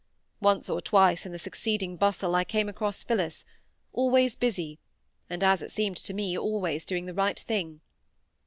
Once or twice in the succeeding bustle I came across Phillis, always busy, and, as it seemed to me, always doing the right thing.